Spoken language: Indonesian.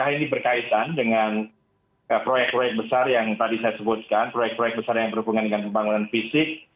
ini berkaitan dengan proyek proyek besar yang tadi saya sebutkan proyek proyek besar yang berhubungan dengan pembangunan fisik